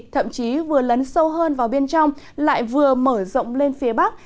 thậm chí vừa lấn sâu hơn vào bên trong lại vừa mở rộng lên phía bắc